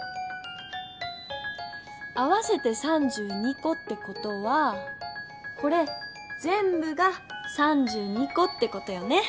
合わせて３２こってことはこれぜんぶが３２こってことよね。